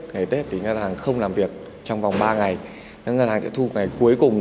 ngày tết thì ngân hàng không làm việc trong vòng ba ngày các ngân hàng sẽ thu ngày cuối cùng